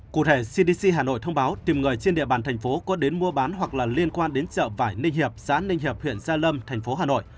cụ thể cdc hà nội thông báo tìm người trên địa bàn thành phố có đến mua bán hoặc là liên quan đến chợ vải ninh hiệp xã ninh hiệp huyện gia lâm thành phố hà nội